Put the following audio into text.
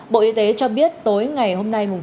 bộ y tế cho biết tối ngày hôm nay